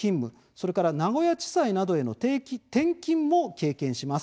それから名古屋地裁などへの転勤も経験します。